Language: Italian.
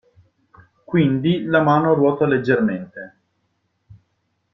Quindi la mano ruota leggermente.